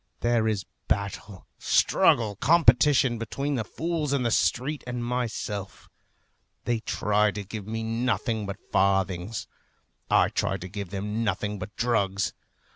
There is battle, struggle, competition between the fools in the street and myself. They try to give me nothing but farthings. I try to give them nothing but drugs.